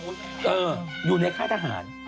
อยู่ตรงนทบุรุษอยู่ในค่าทหาร